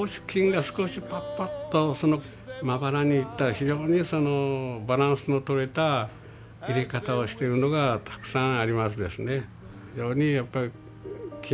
金が少しパッパッとそのまばらにいった非常にバランスのとれた入れ方をしてるのがたくさんありますですね。